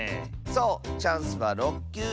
そうチャンスは６きゅう！